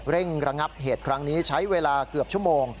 เร่งระงับเหตุครั้งนี้ใช้เวลาเกือบชั่วโมง